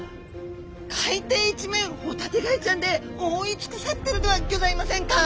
海底一面ホタテガイちゃんで覆い尽くされてるではギョざいませんか！